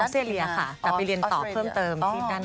ออสเตรียค่ะไปเรียนต่อเพิ่มเติม